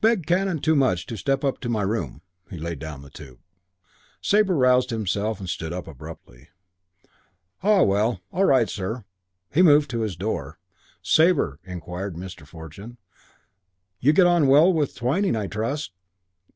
"Beg Canon Toomuch to step up to my room." He laid down the tube. Sabre roused himself and stood up abruptly. "Ah, well! All right, sir." He moved towards his door. "Sabre," inquired Mr. Fortune, "you get on well with Twyning, I trust?"